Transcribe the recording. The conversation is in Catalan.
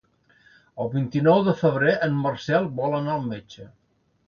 El vint-i-nou de febrer en Marcel vol anar al metge.